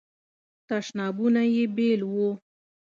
تشنابونه یې بیل وو.